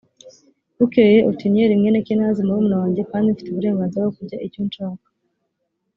bukeye otiniyeli mwene kenazi murumuna wanjye kandi mfite uburenganzira bwo kurya icyo nshaka